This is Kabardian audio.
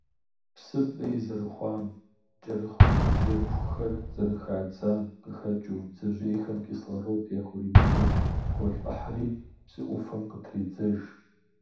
Псыр фӀей зэрыхъуам, кӀэрыхубжьэрыхухэр зэрыхадзэм къыхэкӀыу, бдзэжьейхэм кислород яхуримыкъуу холӀыхьри, псы Ӏуфэм къытредзэж.